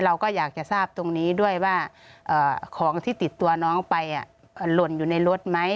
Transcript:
เราก็อยากจะทราบตรงนี้ด้วยว่าของที่ติดตัวน้องไปหล่นอยู่ในรถไหม